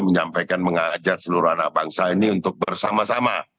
menyampaikan mengajak seluruh anak bangsa ini untuk bersama sama